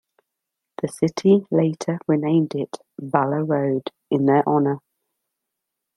The city later renamed it "Valour Road" in their honour.